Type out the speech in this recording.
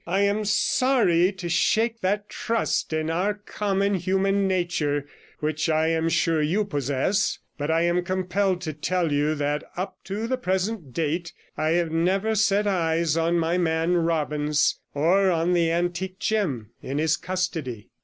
I am sorry to shake that trust in our common human nature which I am sure you possess, but I am compelled to tell you that up to the present date I have never set eyes on my man Robbins, or on the antique gem in his custody.